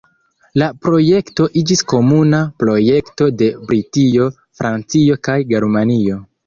La projekto iĝis komuna projekto de Britio, Francio, kaj Germanio.